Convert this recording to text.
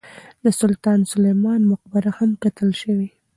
د سلطان سلیمان مقبره هم کتل شوې.